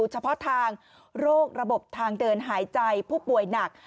เฉพาะทางโรคระบบทางเดินหายใจผู้ป่วยหนัก